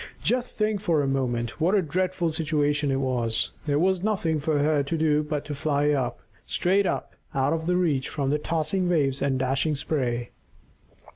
Just think for a moment what a dreadful situation it was! There was nothing for her to do but to fly up, straight up, out of reach from the tossing waves and dashing spray.